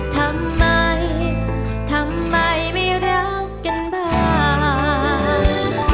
ทำไมทำไมไม่รักกันบ้าง